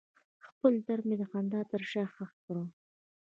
خپل درد مې د خندا تر شا ښخ کړ.